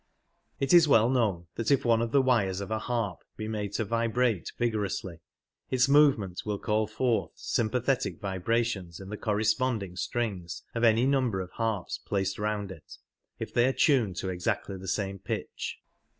It is well known that if one of the wires of a harp be made to vibrate vigorously, its movement will call forth sympathetic vibrations in the corresponding strings of any number of harps placed round it, if they are tuned to exactly the same pitch.